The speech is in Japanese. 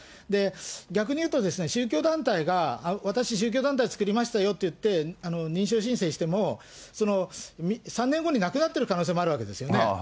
逆に言うと、宗教団体が、私、宗教団体作りましたよって言って認証申請しても、３年後になくなってる可能性もあるわけですよね。